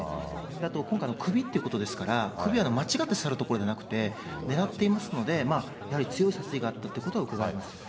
あと今回、首ということですから、首は間違って刺すところではないので、狙っていますので、やはり強い殺意があったということはうかがえますよね。